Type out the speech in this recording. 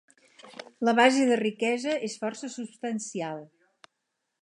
La base de riquesa és força substancial.